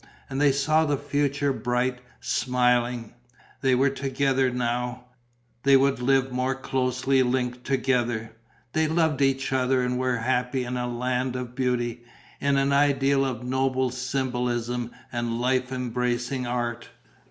And they saw the future bright, smiling. They were closer together now, they would live more closely linked together. They loved each other and were happy in a land of beauty, in an ideal of noble symbolism and life embracing art.